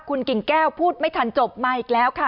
คุณกิ่งแก้วพูดไม่ทันจบมาอีกแล้วค่ะ